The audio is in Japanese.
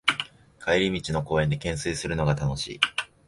帰り道の公園でけんすいするのが楽しい